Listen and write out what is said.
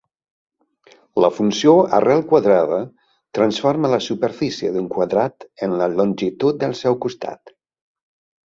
La funció arrel quadrada transforma la superfície d'un quadrat en la longitud del seu costat.